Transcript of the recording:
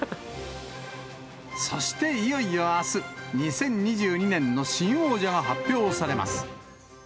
そして、いよいよあす、２０２２年の新王者が発表されます。